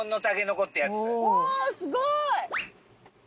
おすごい！